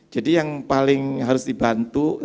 jadi yang paling harus dibantu